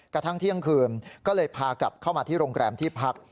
กระทั่งเที่ยงคืนก็เลยพากลับเข้ามาที่โรงแรมที่พัก